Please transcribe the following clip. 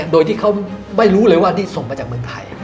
โดยที่เขาไม่รู้เลยว่าที่ส่งมาจากเมืองไทย